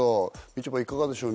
ちょぱいかがでしょう？